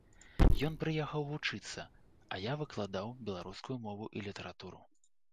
Ён прыехаў вучыцца, а я выкладаў беларускую мову і літаратуру.